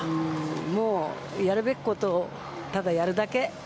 もうやるべきことをただ、やるだけ。